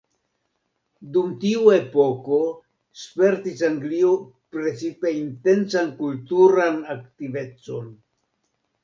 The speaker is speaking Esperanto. Dum tiu epoko spertis Anglio precipe intensan kulturan aktivecon.